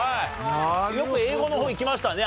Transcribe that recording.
よく英語の方いきましたね